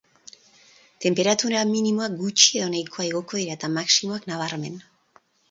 Tenperatura minimoak gutxi edo nahikoa igoko dira, eta maximoak, nabarmen.